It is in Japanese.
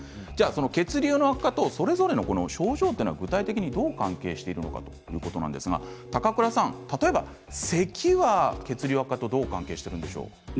血流の悪化とそれぞれの症状具体的にどう関係しているのかということですが例えば、せきは血流悪化とどう関係しているんでしょうか。